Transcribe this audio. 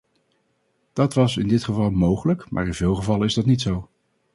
Dat was in dit geval mogelijk, maar in veel gevallen is dat niet zo.